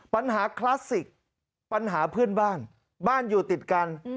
คลาสสิกปัญหาเพื่อนบ้านบ้านอยู่ติดกัน